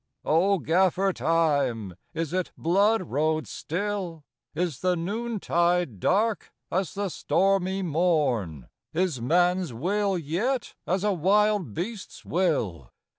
" O Gaffer Time, is it blood road still? Is the noontide dark as the stormy morn? Is man s will yet as a wild beast s will?